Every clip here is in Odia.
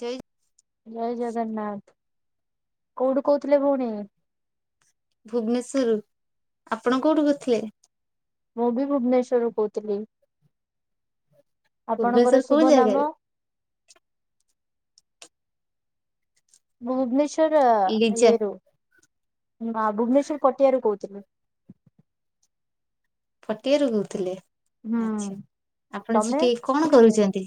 ଜୟ ଜୟ ଜଗନ୍ନାଥ କୋଉଠୁ କହୁଥିଲେ ଭଉଣୀ? ଭୁବନେଶ୍ଵରୁୁ ଆପଣ କୋଉଠୁ କରିଥିଲେ? ମୁଁ ବି ଭୁବନେଶ୍ଵରରୁୁ କହୁଥିଲି, ଭୁବନେଶ୍ଵର ଆପଣଙ୍କର କୋଉ ଶୁଭ ନାମ ଜାଗାରେ? ଭୁବନେଶ୍ଵର ଲିଜା ଇଏ ରୁ ମା ଭୁବନେଶ୍ଵର ପଟିଆରୁୁ କହୁଥିଲି। ଫଟିଆରୁ କହୁଥିଲେ, ହୁଁ ଆଛା, ଆପଣ ତମେ? ସେଠି କଣ କରୁଛନ୍ତି?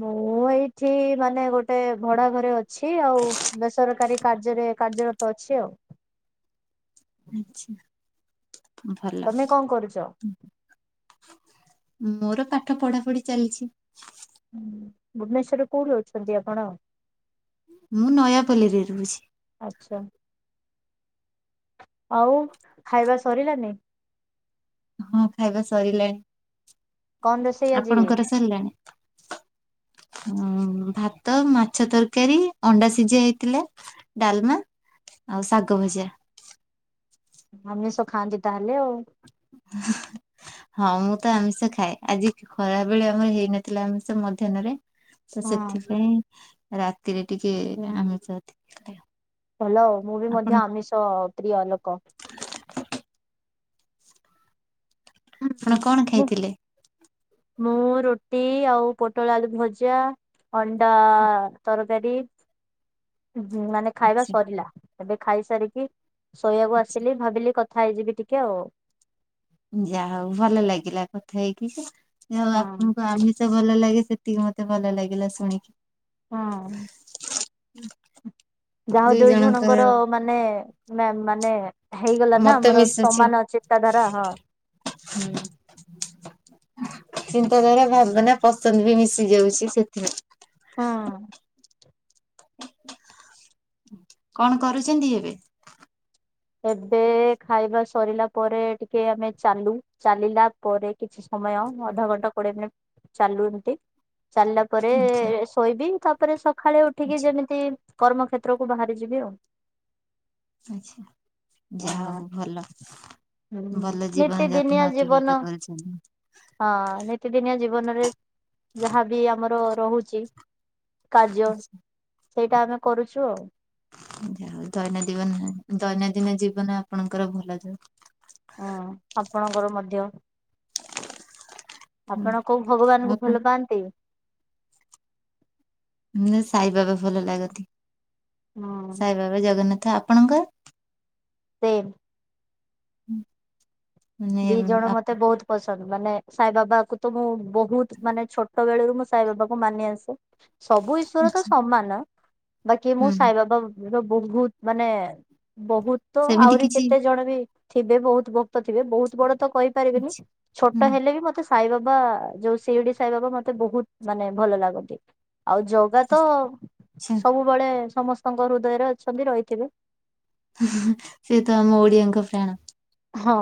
ମୁଁ ଏଇଠି ମାନେ ଗୋଟେ ଭଡା ଘରେ ଅଛି, ଆଉ ବେସରକାରୀ କାର୍ଯ୍ୟରେ କାର୍ଯ୍ୟର ତ ଅଛି ଆଉ। ଆଛା ଭଲ। ତମେ କଣ କରୁଛ? ମୋର ପାଠ ପଢାପଢି ଚାଲିଛି। ହୁଁ ଭୁବନେସ୍ଵରରେ କୋଉଠି ଅଛନ୍ତି ଆପଣ? ମୁଁ ନୟାପଲ୍ଲୀରେ ରହୁଛି। ଆଛା, ଆଉ ଖାଇବା ସରିଲାନି। ହଁ ଖାଇବା ସରିଲାଣି, କଣ ରୋଷେଇ ଆଜି? ଆପଣଙ୍କର ସରିଲାଣି? ହଁ ଭାତ ମାଛ ତରକାରୀ, ଅଣ୍ଡା ସିଝା ହେଇଥିଲା। ଡାଲମା ଆଉ ଶାଗ ଭଜା। ଆମିଷ ଖାଆନ୍ତି ତାହେଲେ ଆଉ। [unintelligible] ହଁ ମୁଁ ତ ଆମିଷ ଖାଏ, ଆଜି ଖରାବେଳେ ଆମର ହେଇନଥିଲା ଆମିଷ ମଧ୍ୟାନରେ ତ ହଁ ସେଥିପାଇଁ ରାତିରେ ଟିକେ ଆମିଷ [unintelligible] ଭଲ, ମୁଁ ବି ମଧ୍ୟ ଆପଣ ଆମିଷ ପ୍ରିୟ ଲୋକ। ହୁଁ, ଆପଣ କଣ ବୁ ଖାଇଥିଲେ? ମୁଁ ରୁଟି ଆଉ ପୋଟଳ ଆଳୁ ଭଜା, ଅଣ୍ଡା ତରକାରୀ ମାନେ ଖାଇବା ଆଛା ସରିଲା, ଏବେ ଖାଇସାରିକି ଶୋଇବାକୁ ଆଛା ଆସିଲି ଭାବିଲି କ ଥା ହେଇ ଯିବି ଟିକେ ଆଉ। ଯାହା ହଉ ଭଲ ଲାଗିଲା କଥା ହେଇକି, ଯଉ ହୁଁ। ଆପଣଙ୍କୁ ଆମି ସ ଭଲ ଲାଗେ, ସେତିକି ମତେ ଭଲ ଲାଗିଲା ଶୁଣିକି। ହୁଁ। ଉଁ। ଯାହା ହଉ ଦୁଇ ଜଣଙ୍କର ମାନେ ମାନେ ମାନେ ହେଇଗଲା ନା ମତ ଆମର ମିଶୁଛି ସମାନ ଚିନ୍ତାଧାରା ହଁ। ହୁଁ। ଚିନ୍ତାଧାରା, ଭାବନା, ପସନ୍ଦ ବି ମିଶି ଯାଉଛି, ସେଥିପାଇଁ। ହୁଁ। କଣ କରୁଛନ୍ତି ଏବେ? ଏବେ ଖାଇବା ସରିଲା ପରେ ଟିକେ ଆମେ ଚାଲୁ, ଚାଲିଲା ପରେ କିଛି ସମୟ ଅଧଘଣ୍ଟା କୋଡିଏ ମିନିଟ୍ ଚାଲୁ ଏନ୍ତି। ଚାଲିଲା ପରେ ଶୋଇବି, ତାପରେ ସକାଳେ ଉଠିକି ଆଛା ଯେମିତି କର୍ମକ୍ଷେତ୍ର କୁ ବାହାରି ଯିବି ଆଉ। ଆଚ୍ଛା। ଯାହା ହଉ ଭଲ, ହଁ ଭଲ ଜୀବନ ନିତିଦିନିଆ ଯାପନ ଜୀବନ ଅତିବାହିତ କରୁଛନ୍ତି। ହଁ ନିତିଦିନିଆ ଜୀବନରେ ଯାହାବି ଆମର ରହୁଛି। କାର୍ଯ୍ୟ ସେଇଟା ଆମେ କରୁଛୁ ଆଉ। ଯାହାଉ ଦୈନଦିବନ ଦୈନନ୍ଦିନ ଜୀବନ ଆପଣଙ୍କର ଭଲ ଯାଉ। ହଁ, ଆପଣଙ୍କର ମଧ୍ୟ। ଆପଣ କୋଉ ଭଗବାନଙ୍କୁ ଆପଣ ଭଲ ପାଆନ୍ତି? ସାଇବାବା ଭଲ ଲାଗନ୍ତି, ହୁଁ ସାଇବାବା, ଜଗନ୍ନାଥ ଆପଣଙ୍କର? ସେମ୍। ଉଁ ଦି ଜଣ ମତେ ବହୁତ ପସନ୍ଦ, ମାନେ ସାଇ ବାବା କୁ ତ ମୁଁ ବହୁତ ମାନେ ଛୋଟ ବେଳରୁ ମୁଁ ସାଇ ବାବା କୁ ମାନି ଆସେ। ସବୁ ଈଶ୍ଵର ତ ଆଚ୍ଛା ସମାନ, ବାକି ମୁଁ ହୁଁ ସାଇ ବାବା ମୋର ବହୁତ ମାନେ ବହୁତ ତ ସେମିତି ଆହୁରି କିଛି କେତେ ଜଣ ବି ଥିବେ ବହୁତ ଭକ୍ତ ଥିବେ ବହୁତ ବଡ ତ କହିପାରିବିନି ଆଚ୍ଛା ଛୋଟ ହୁଁ ହେଲେ ବି ମୋତେ ସେ ସାଇବାବା ଯୋଉ ଶିରିଡ଼ି ସାଇବାବା ମୋତେ ବହୁତ ମାନେ ଭଲ ଲାଗନ୍ତି। ଆଉ ଜଗା ତ ଆଚ୍ଛା ସବୁବେଳେ ସମସ୍ତଙ୍କ ହୃଦୟରେ ଅଛନ୍ତି ରହିଥିବେ। ହୁଁ ହୁଁ ସେ ତ ଆମ ଓଡିଆଙ୍କ ପ୍ରାଣ। ହଁ।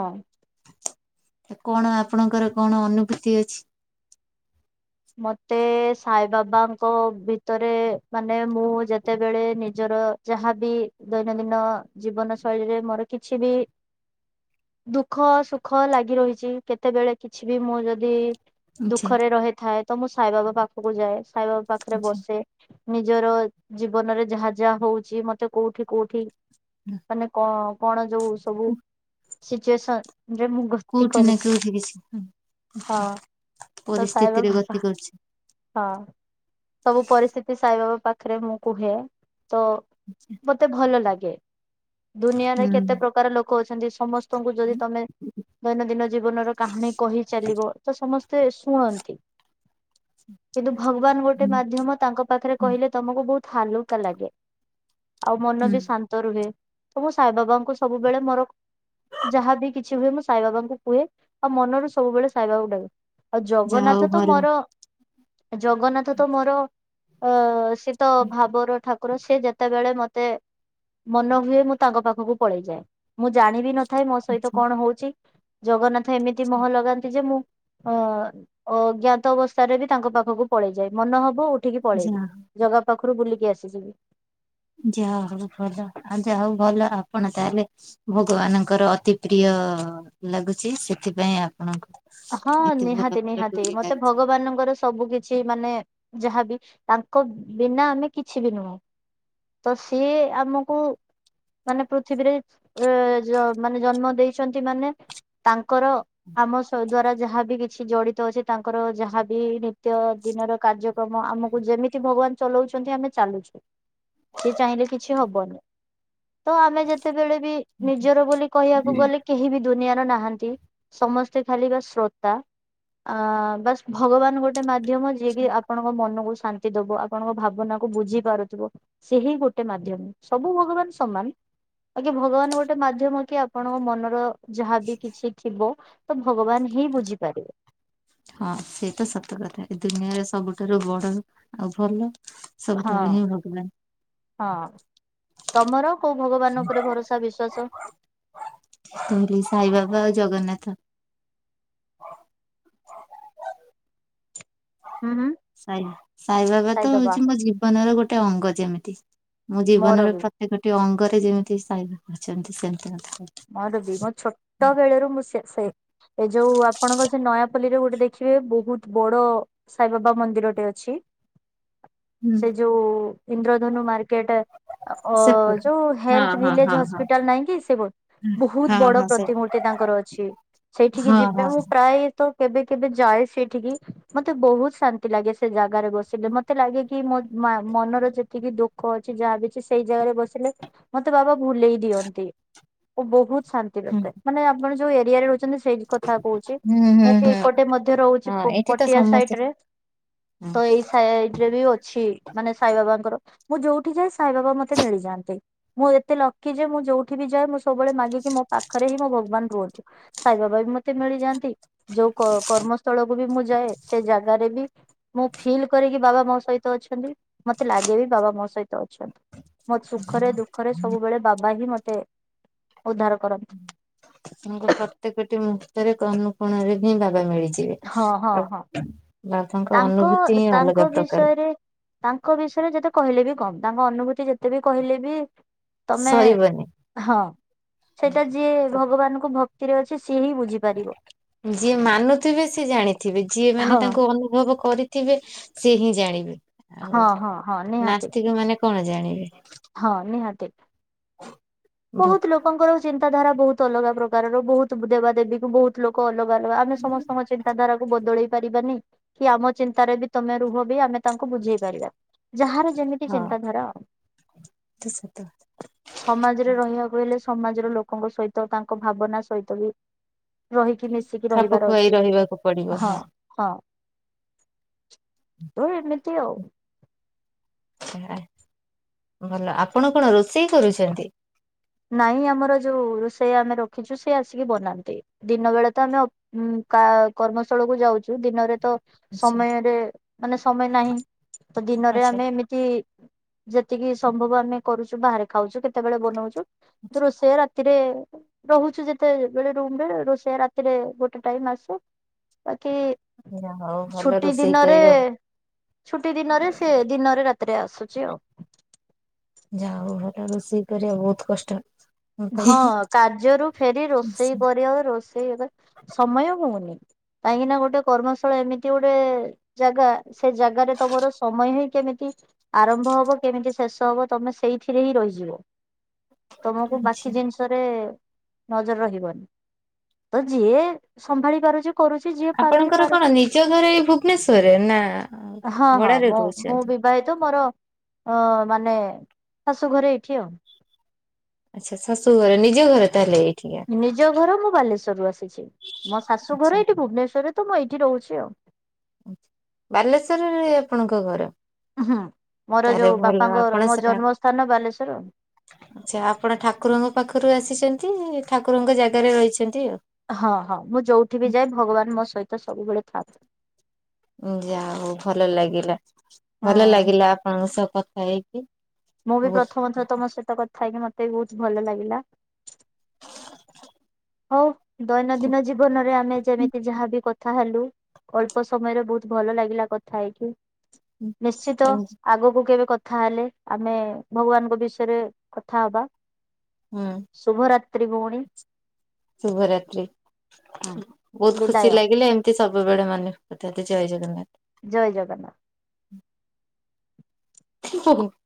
କଣ ଆପଣଙ୍କର କଣ ଅନୁଭୂତି ଅଛି? ମୋତେ ସାଇ ବାବାଙ୍କ ଭିତରେ ମାନେ ମୁଁ ଯେତେବେଳେ ନିଜର ଯାହାବି ଦୈନନ୍ଦିନ ଜୀବନ ଶୈଳୀରେ ମୋର କିଛି ବି ଦୁଃଖ ସୁଖ ଲାଗି ରହିଛି କେତେବେଳେ କିଛି ବି ମୁଁ ଯଦି ଆଚ୍ଛା ଦୁଃଖରେ ରହିଥାଏ ତ ମୁଁ ସାଇବାବା ପାଖକୁ ଯାଏ ସାଇବାବା ପାଖରେ ଆଚ୍ଛା ବସେ। ନିଜର ଜୀବନରେ ଯାହା ଯାହା ହଉଛି ମତେ କୋଉଠି କୋଉଠି ମାନେ କ କଣ ଯୋଉ ସବୁ କୋ ସିଚୁଏସନ ରେ ମୁଁ ଗତି କୋଉଠି ନା କରୁଛି କୋଉଠି କିଛି ହୁଁ ହଁ ତ ସାଇବାବା ପରିସ୍ଥିତିରେ ଗତି କରୁଛି। ହଁ ସବୁ ପରିସ୍ଥିତି ସାଇବାବା ପାଖରେ ମୁଁ କୁହେ ତ [unintelligible] ମତେ ଭଲ ଲାଗେ ଦୁନିଆରେ ହୁଁ କେତେ ପ୍ରକାର ଲୋକ ଅଛନ୍ତି ସମ ସ୍ତଙ୍କୁ ଯଦି ତମେ ଦୈନନ୍ଦିନ ଜୀବନର କାହାଣୀ କହି ଚାଲିବ ତ ସମସ୍ତେ ଶୁଣନ୍ତି। କିନ୍ତୁ ଭଗବାନ ଗୋଟେ ହୁଁ ମାଧ୍ୟମ ତାଙ୍କ ପାଖରେ ହୁଁ କହିଲେ ତମକୁ ବହୁତ ହାଲୁକା ଲାଗେ‌। ଆଉ ମନ ହୁଁ ବି ଶାନ୍ତ ରୁହେ ତ ମୁଁ ସାଇ ବାବାଙ୍କୁ ସବୁବେଳେ ମୋର ଯାହାବି କିଛି ହୁଏ ମୁଁ ସାଇବାବାଙ୍କୁ କୁହେ ଆଉ ମନରୁ ସବୁବେଳେ ସାଇବାବା କୁ ଡାକେ। ଆଉ ଯାହା ହଉ ଜଗନ୍ନାଥ ତ ଭଲ। ମୋର ଜଗନ୍ନାଥ ତ ମୋର ଅ ସିଏତ ଭାବର ଠାକୁର ସେ ଯେତେବେଳେ ମତେ ମତେ ମନ ହୁଏ ମୁଁ ତାଙ୍କ ପାଖକୁ ପଳେଇଯାଏ ମୁଁ ଜାଣିବି ନ ଥାଏ ମୋ ସହିତ ଆଚ୍ଛା କଣ ହଉଛି ଜଗନ୍ନାଥ ଏମିତି ମହ ଲଗାନ୍ତି ଯେ ମୁଁ ଅ ଅଜ୍ଞାତ ଅବସ୍ଥାରେ ବି ତାଙ୍କ ପାଖକୁ ପଳେଇଯାଏ ମନ ହବ ଉଠିକି ପଳେଇବି। ଯାହା ଜଗା ପାଖରୁ ବୁଲିକି ଆସିଯିବି। ଯାହା ହଉ ଭଲ ଆ ଯା ହଉ ଭଲ ଆପଣ ତାହେଲେ ଭଗବାନଙ୍କର ଅତି ପ୍ରିୟ ଲାଗୁଚି ସେଥିପାଇଁ ଆପଣଙ୍କୁ ହଁ ଏତେ ଭଲ ନିହାତି ଭଲ ନିହାତି ଡୋରି ମତେ ଲାଗୁଛି। ଭଗବାନଙ୍କର ସବୁ କିଛି ମାନେ ଯାହାବି ତାଙ୍କ ବିନା ଆମେ କିଛି ବି ନୁହଁ। ତ ସିଏ ଆମକୁ ମାନେ ପୃଥିବୀରେ ଏ ଜ ମାନେ ଜନ୍ମ ଦେଇଛନ୍ତି ମାନେ ତାଙ୍କର ଆମ ଦ୍ଵାରା ଯାହାବି କିଛି ଜଡ଼ିତ ଅଛି ତାଙ୍କର ଯାହାବି ନିତ୍ୟ ଦିନର କାର୍ଯ୍ୟ ତମ ଆମକୁ ଯେମିତି ଭଗବାନ ଚଲାଉଚନ୍ତି ଆମେ ଚାଲୁଚୁ। ସିଏ ଚାହିଁଲେ କିଛି ହବନି ତ ଆମେ ଯେତେବେଳେ ବି ନିଜର ବୋଲି କହିବାକୁ ଗଲେ କେହି ବି ଦୁନିଆର ନାହାନ୍ତି। ସମସ୍ତ ଖାଲି ବା ଶ୍ରୋତା ବାସ ଭଗବାନ ଗୋଟେ ଗୋଟେ ମାଧ୍ୟମ ଯିଏକି ଆପଣଙ୍କ ମନକୁ ଶାନ୍ତି ଦବ ଆପଣଙ୍କ ଭାବନାକୁୁ ବୁଝି ପାରୁଥିବ ସେହି ଗୋଟେ ମାଧ୍ୟମ ସବୁ ଭଗବାନ ସମାନ। ଆଜ୍ଞା କି ଭଗବାନ ଗୋଟେ ମାଧ୍ୟମ କି ଆପଣଙ୍କ ମନର ଯାହାବି କିଛି ଥିବ ତ ଭଗବାନ ହିଁ ବୁଝିପାରିବେ। ହଁ ସେ ତ ସତ କଥା ଏ ଦୁନିଆରେ ସବୁଠାରୁ ବଡ ଆଉ ଭଲ ହଁ ସବୁଠାରୁ ହିଁ ଭଗବାନ। ହଁ ତମର କୋଉ ଭଗବାନ ଉପରେ ଭରସା ବିଶ୍ୱାସ? ସାଇ ବାବା ଆଉ ଜଗନ୍ନାଥ। ଆହାଁ ଆହାଁ। ସାଇ ସାଇବାବା ତ ହଉଛି ମୋ ଜୀବନର ଗୋଟେ ଅଙ୍ଗ ଯେମିତି ମୁଁ ମୋର ଜୀବନର ବି ସେ ଗୋଟେ ଅଙ୍ଗରେ ଯେମିତି ସାଇ ଅଛନ୍ତି, ସେମତି [unintelligible] ମୋର ବି ମୋ ଛୋଟ ବେଳରୁ ମୁଁ ସେ ସେ ଏ ଯୋଉ ଆପଣଙ୍କ ସେ ନୟାପଲ୍ଲୀରେ ଗୋଟେ ଦେଖିବେ ବହୁତ ବଡ ସାଇବାବା ମନ୍ଦିରଟେ ଅଛି। ସେ ଯୋଉ ଇନ୍ଦ୍ରଧନୁ ମାର୍କେଟ। ଆ ଅ ସେପଟୁ ଯୋଉ ହଁ ହେଲଥ୍ ହଁ ଭିଲେଜ୍ ହଁ ହଁ ହସ୍ପିଟାଲ୍ ନାଇଁ କି ସେ ବୋ ବୋହୁତ ହଁ ବଡ ହଁ ସେ ପ୍ରତିମୂର୍ତ୍ତି ତାଙ୍କର ଅଛି ସେଇଠିକି ହଁ ଯିବେ ହଁ ମୁଁ ପ୍ରା ପ୍ରାୟ ତ କେବେ କେବେ ଯାଏ ସେଇଠିକି। ମତେ ବୋହୁତ ଶାନ୍ତି ଲାଗେ ସେ ଜାଗାରେ ବସିଲେ ମତେ ଲାଗେ କି ମୋ ମା ମନର ଯେତିକି ଦୁ ଖ ଅଛି ଯାହା ବି ଅଛି ସେଇ ଜାଗାରେ ବସିଲେ ମତେ ବାବା ଭୁଲେଇ ଦିଅନ୍ତି। ଓ ବୋହୁତ ଶାନ୍ତି ହୁଁ ଲାଗିଥାଏ ମାନେ ଆପଣ ଯୋଉ ଏରିଆରେ ରହୁଛନ୍ତି ସେଇଟି କଥା କହୁଛି। ହୁଁ ହୁଁ ମୁଁ ବି ହୁଁ ଏପଟେ ମଧ୍ୟ ରହୁଛି ହଁ ପ ପଟିଆ ସାଇଟ୍ ରେ। ହୁଁ। ସାଇଡରେ ବି ଅଛି ମାନେ ସାଇବାବାଙ୍କର ମୁଁ ଯୋଉଠି ଯାଏ ସାଇବାବା ମତେ ମିଳିଯାଆନ୍ତି। ମୁଁ ଏତେ ଲକି ଯେ, ମୁଁ ଯୋଉଠି ବି ଯାଏ। ମୁଁ ସବୁବେଳେ ମାଗେକି ମୋ ପାଖରେ ହିଁ ମୋ ଭଗବାନ ରୁହନ୍ତୁ। ସାଇ ବାବା ବି ମତେ ମିଳିଯାଆନ୍ତି। ଯୋଉ କ-କର୍ମସ୍ଥଳକୁୁ ବି ମୁଁ ଯାଏ। ସେ ଜାଗାରେ ବି ମୁଁ ଫିଲ୍ କରରେକି ବାବା ମୋ ସହିତ ଅଛନ୍ତି। ମତେ ଲାଗେ ବି ବାବା ମୋ ସହିତ ଅଛନ୍ତି। ମୋର ସୁଖରେ ଦୁଃଖରେ ସବୁବେଳେ ବାବା ହିଁ ମତେ ଉଦ୍ଧାର କରନ୍ତି। ତାଙ୍କ ପ୍ରତ୍ୟେକଟି ମୁହୂର୍ତ୍ତରେ ଅନୁକୋଣରେ ହିଁ ବାବା ମିଳିଛି। ହଁ ହଁ ହଁ। [unintelligible] ବାବାଙ୍କ ତାଙ୍କ ଅନୁଭୂତି ହିଁ ତାଙ୍କ ଅଲଗା ପ୍ରକାର। ବିଷୟରେ ତାଙ୍କ ବିଷୟରେ ଯେତେ କହିଲେ ବି କମ୍ ତାଙ୍କ ଅନୁଭୂତି ଯେତେ ବି କହିଲେ ବି ତମେ ସରିବନି। ହଁ ସେଇଟା ଯିଏ ଭଗବାନଙ୍କୁ ଭକ୍ତିରେ ଅଛି ସିଏ ହିଁ ବୁଝିପାରିବ। ଯିଏ ମାନୁଥିବେ ସିଏ ଜାଣିଥିବେ। ଯିଏ ମାନେ ହଁ ତାଙ୍କୁ ଅନୁଭବ କରି ଥିବେ ସେ ହିଁ ଜାଣିବେ। ହଁ ଆଉ ହଁ ହଁ ନିହାତି ନାସ୍ତିକ ମାନେ କଣ ଜାଣିବେ? ହଁ ନିହାତି। ବହୁତ ଭୋଗ ଲୋକଙ୍କର ଚିନ୍ତାଧାରା ବହୁତ ଅଲଗା ପ୍ରକାରର। ବହୁତ ଦେବାଦେବୀକୁ ବହୁତ ତୁ ଲୋକ ଅଲଗା ଅଲଗା ଆମେ ସମସ୍ତଙ୍କ ଚିନ୍ ତା ଧାରାକୁ ବଦଳେଇ ପାରିବାନି। କି ଆମ ଚିନ୍ତାରେ ବି ତମେ ରୁହ ବି ଆମେ ତାଙ୍କୁ ବୁଝେଇ ପାରିବା ଯାହାର ଯେମିତି ଚିନ୍ତାଧାରା ଆଉ। ଯେ ସତ କଥା। ସମାଜରେ ରହିବାକୁ ହେଲେ, ସମାଜର ଲୋକଙ୍କ ସହିତ ତାଙ୍କ ଭାବନା ସହିତ ବି ରହିକି ମିଶିକି ଖାପ ରହିବାର ଖୁଆଇ ଅଛି। ରହିବାକୁ ପଡିବ ହଁ। ହଁ ତୋ ଏମିତି ଆଉ। ଛାଆ ଭଲ ଆପଣ କଣ ରୋଷେଇ କରୁଛନ୍ତି। ନାଇଁ ଆମର ଯୋଉ ରୋଷେୟା ଆମେ ରଖିଛୁ ସେ ଆସିକି ବନାନ୍ତି। ଦିନ ବେଳେ ତ ଆମେ ଉ କର୍ମସ୍ଥଳକୁୁ ଯାଉଛୁ ଦିନରେ ତ ଆଚ୍ଛା ସମୟରେ ମାନେ ସମୟ ନାହିଁ ତ ଦିନରେ ଆଚ୍ଛା ଆମେ ଏମତି ଯେତିକି ସମ୍ଭବ ଆମେ କରୁଛୁ ବାହାରେ ଖାଉଛୁ କେତେବେଳେ ବନଉଛୁ। ତ ରୋଷେୟା ରାତି ରାତିରେ ରହୁଛୁ ଯେତେବେଳେ ରୁମରେ ରୋଷେଇଆ ରାତିରେ ଗୋଟେ ଟାଇମ୍ ଆସେ। ବାକି ଯା ହଉ ଭଲ ଛୁଟି ରୋଷେଇ ଦିନରେ କରିବ ଛୁଟି ଦିନରେ ସେ ଦିନରେ ରାତିରେ ଆସୁଛି ଆଉ। ଯାଉ ହଉ ଭଲ ରୋଷେଇ କରିବା ବହୁତ କଷ୍ଟ। ମୋ ପାଇଁ ହଁ କାର୍ଯ୍ୟରୁ ଫେରି ରୋଷେଇ କରିବା ରୋଷେଇବା ସମୟ ହଉନି। କାହିଁକି ନା ଗୋଟେ କର୍ମସ୍ଥଳ ଏମିତି ଗୋଟେ ଜାଗା ସେ ଜାଗାରେ ତମର ସମୟ ହିଁ କେମିତି ଆରମ୍ଭ ହବ କେମିତି ଶେଷ ହବ ତମେ ସେଇଥିରେ ହିଁ ରହିଯିବ ତମକୁ ବାକି ଆଚ୍ଛା ଜିନିଷରେ ନଜର ରହିବନି ତ ଯିଏ ସମ୍ଭାଳି ପାରୁଛି କରୁଛି ଯିଏ ପାରୁନି ଆପଣଙ୍କର କଣ ପାରୁନି ନିଜ ଘରେ ଏଇ ଭୁବନେଶ୍ଵରରେ ନା ହଁ ହଁ ଭଡାରେ ମୁଁ ବି ରହୁଛନ୍ତି? ବିବାହିତ ମୋର ମାନେ ଶାଶୁ ଘରେ ଏଇଠି ଆଉ। ଆଚ୍ଛା ଶାଶୁଘରେ ନିଜ ଘରେ ତାହଲେ ଏଇଠି। ନିଜ ଘର ମୁଁ ବାଲେଶ୍ଵର ରୁ ଆସିଛି। ମୋ ଶାଶୁ ଆଚ୍ଛା ଘର ଏଇଠି ଭୁବନେଶ୍ଵରରେ ତ ମୁଁ ଏଇଠି ରହୁଛି ଆଉ। ବାଲେଶ୍ଵରରେ ଆପଣଙ୍କ ଘର। ହଁ। ମୋର ତାହେଲେ ଯୋଉ ଭଲ ବାପାଙ୍କର ଆପଣ ମୋ ସେ ଠା ଜନ୍ମ ସ୍ଥାନ ବାଲେଶ୍ଵର। ଆଚ୍ଛା। ଆପଣ ଠାକୁରଙ୍କ ପାଖରୁ ଆସିଚନ୍ତି ଠାକୁରଙ୍କ ଜାଗାରେ ରହିଚନ୍ତି ଆଉ। ହଁ ହଁ, ମୁଁ ଯୋଉଠି ବି ଯାଏ ଭଗବାନ ମୋ ସହିତ ସବୁବେଳେ ଥାଆନ୍ତି। ଯାହା ହଉ ଭଲ ଲାଗିଲା ଭଲ ହଁ ଲାଗିଲା ଆପଣଙ୍କ ସହ କଥା ହେଇକି। ମୁଁ ବି ବହୁତ ପ୍ରଥମ ଥର ତମ ସହିତ କଥା ହେଇକି ମତେ ବି ବହୁତ ଭଲ ଲାଗିଲା। ହଉ ଦୈନନ୍ଦିନ ଜୀବନରେ ଆମେ ଯେମିତି ଯାହାବି କଥା ହେଲୁ। ଅଳ୍ପ ସମୟରେ ବହୁତ ଭଲ ଲାଗିଲା କଥା ହେଇକି। ନିଶ୍ଚିତ ଏମିତି ଆଗକୁ କେବେ କଥା ହେଲେ ଆମେ ଭଗବାନ୍ଙ୍କ ବିଷୟରେ କଥା ହବା। ହୁଁ, ଶୁଭରାତ୍ରି ଭଉଣୀ ଶୁଭରାତ୍ରୀ। ହୁଁ ବୋହୁତ୍ ଖୁସି ବିଦାୟ ଲାଗିଲେ ଏମିତି ସବୁବେଳେ ମନେ ପକଉଥାନ୍ତୁ ଜୟ ଜଗନ୍ନାଥ୍। ଜୟ ଜଗନ୍ନାଥ୍। [unintelligible]